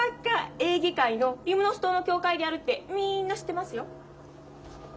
エーゲ海のリムノス島の教会でやるってみんな知ってますよ。